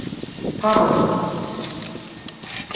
Qerreb-d.